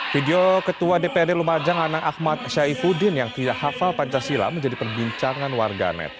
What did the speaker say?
video ketua dprd lumajang anang ahmad syaifuddin yang tidak hafal pancasila menjadi perbincangan warganet